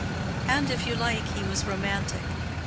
And, if you like, he was romantic.